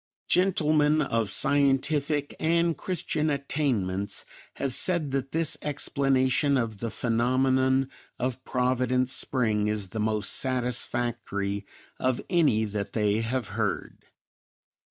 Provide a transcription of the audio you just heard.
Gentlemen of scientific and Christian attainments have said that this explanation of the phenomenon of Providence Spring is the most satisfactory of any that they have heard.